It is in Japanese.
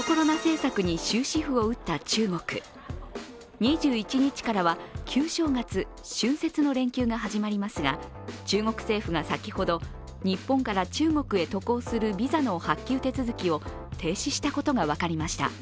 ２１日からは旧正月、春節の連休が始まりますが中国政府が先ほど、日本から中国へ渡航するビザの発給手続きを停止したことが分かりました。